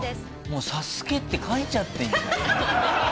もう「ＳＡＳＵＫＥ」って書いちゃってるじゃん。